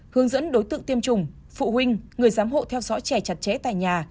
hướng dẫn đối tượng tiêm chủng phụ huynh người giám hộ theo dõi trẻ chặt chẽ tại nhà